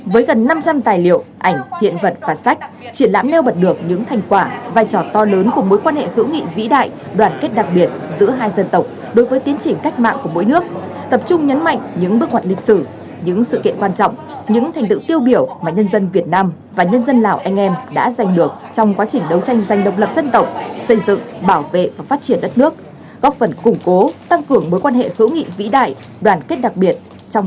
với gần năm trăm linh tài liệu ảnh hiện vật và sách triển lãm nêu bật được những thành quả vai trò to lớn của mối quan hệ hữu nghị vĩ đại đoàn kết đặc biệt giữa hai dân tộc đối với tiến trình cách mạng của mỗi nước tập trung nhấn mạnh những bước hoạt lịch sử những sự kiện quan trọng những thành tựu tiêu biểu mà nhân dân việt nam và nhân dân lào anh em đã giành được trong quá trình đấu tranh danh độc lập dân tộc xây dựng bảo vệ và phát triển đất nước góp phần củng cố tăng cường mối quan hệ hữu nghị vĩ đại đoàn kết đặc biệt trong